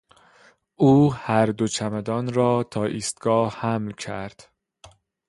او هر دو چمدان را تا ایستگاه حمل کرد.